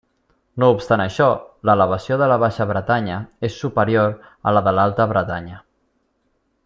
No obstant això, l'elevació de la Baixa Bretanya és superior a la de l'Alta Bretanya.